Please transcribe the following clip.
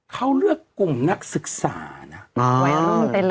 เขาเลือกกลุ่มนักศึกษานะ